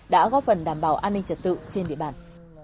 đã góp phần đảm bảo an ninh trật tự trên địa bàn